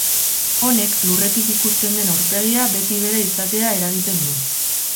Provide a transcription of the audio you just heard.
Honek, lurretik ikusten den aurpegia beti bera izatea eragiten du.